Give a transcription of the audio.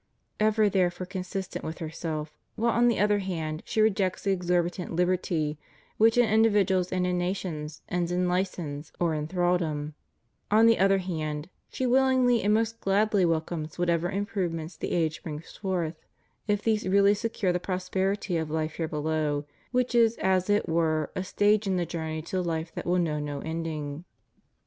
Ever there fore consistent with herself, while on the one hand she rejects that exorbitant liberty which in individuals and in nations ends in license or in thraldom, on the other hand, she willingly and most gladly welcomes whatever improvements the age brings forth, if these really secure the prosperity of life here below, which is as it were a stage in the journey to the life that will know no ending.